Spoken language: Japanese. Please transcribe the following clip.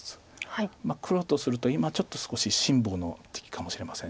黒とすると今ちょっと少し辛抱の時期かもしれません。